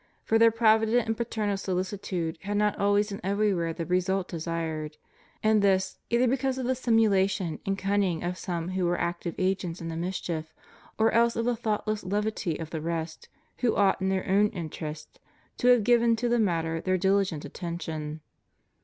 For their provident and paternal solicitude had not always and everywhere the result desired ; and this, either because of the simulation and cunning of some who were active agents in the mischief, or else of the thoughtless levity of the rest who ought, in their own interest, to have given to the matter their diligent attention.